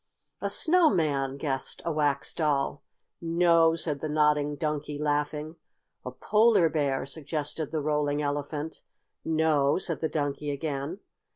"A snowman!" guessed a wax doll. "No," said the Nodding Donkey, laughing. "A Polar Bear," suggested the Rolling Elephant. "No," said the Donkey again.